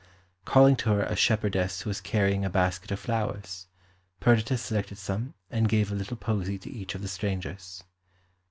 Calling to her a shepherdess who was carrying a basket of flowers, Perdita selected some and gave a little posy to each of the strangers.